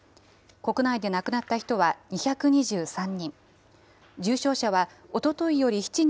国内で亡くなった人は２２３人。